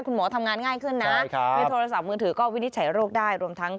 คุณหมอทำงานง่ายขึ้นนะในโทรศัพท์มือถือก็วินิจฉัยโรคได้รวมทั้ง